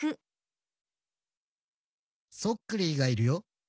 そっクリーがいるよ